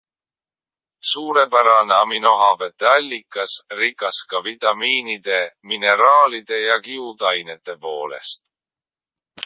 Suurepärane aminohapete allikas, rikas ka vitamiinide, mineraalide ja kiudainetepoolest.